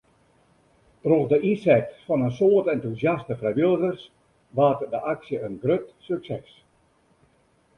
Troch de ynset fan in soad entûsjaste frijwilligers waard de aksje in grut sukses.